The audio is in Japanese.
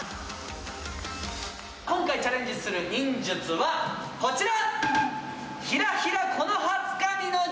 今回チャレンジする忍術はこちら！